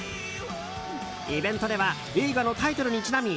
イベントでは映画のタイトルにちなみ